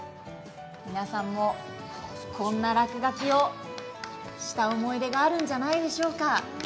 皆さんも、こんな落書きをした思い出があるんじゃないでしょうか。